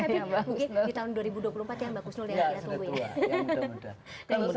mungkin di tahun dua ribu dua puluh empat ya mbak kusnul ya kita tunggu ya